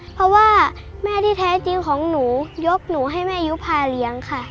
เพราะว่าแม่ที่แท้จริงของหนูยกหนูให้แม่ยุภาเลี้ยงค่ะ